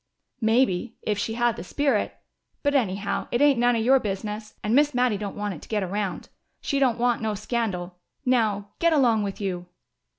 "Maybe if she had the spirit. But, anyhow, it ain't none of your business, and Miss Mattie don't want it to get around. She don't want no scandal. Now get along with you!"